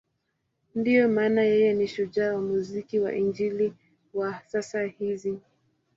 Ndiyo maana yeye ni shujaa wa muziki wa Injili wa sasa hizi.